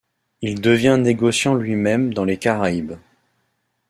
Il devient négociant lui-même dans les Caraïbes.